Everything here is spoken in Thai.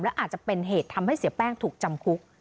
และอาจจะเป็นเหตุทำให้เสียแป้งถูกจำคุก